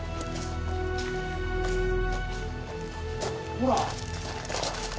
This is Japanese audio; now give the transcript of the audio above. ほら。